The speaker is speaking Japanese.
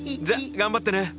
じゃ頑張ってね！